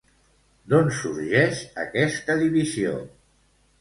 D'on sorgeix aquesta divisió?